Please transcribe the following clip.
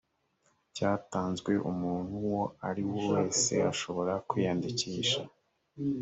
cyatanzwe umuntu uwo ariwe wese ashobora kwiyandikisha